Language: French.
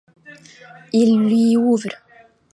Il lui ouvre.